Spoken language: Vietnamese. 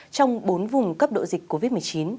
trong bốn vùng cấp độ dịch covid một mươi chín